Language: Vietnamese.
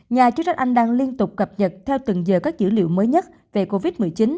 nhà chức trách anh đang liên tục cập nhật theo từng giờ các dữ liệu mới nhất về covid một mươi chín